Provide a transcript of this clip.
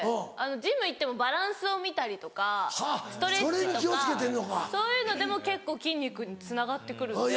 ジム行ってもバランスを見たりとかストレッチとかそういうのでも結構筋肉につながって来るので。